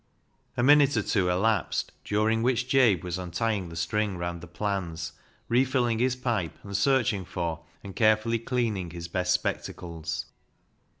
A minute or two elapsed, during which Jabe was untying the string round the plans, refilling his pipe, and searching for and carefully cleaning his best spectacles.